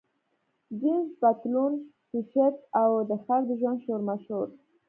جینس پتلون، ټي شرټ، او د ښار د ژوند شورماشور.